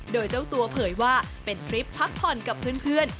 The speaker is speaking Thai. โดยเจ้าตัวเผยว่าเป็นทริปพักผ่อนกับเพื่อน